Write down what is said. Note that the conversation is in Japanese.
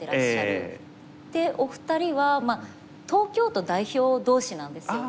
でお二人は東京都代表同士なんですよね。